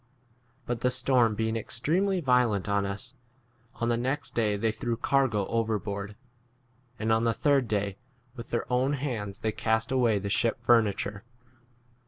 But the storm being extremely violent on us, on the next day they threw cargo over 19 board, and on the third day with their own hands they cast away 20 the ship furniture.